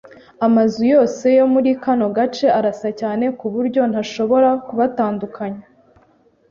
Amazu yose yo muri kano gace arasa cyane kuburyo ntashobora kubatandukanya.